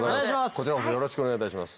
こちらこそよろしくお願いいたします。